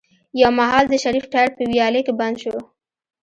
يو مهال د شريف ټاير په ويالې کې بند شو.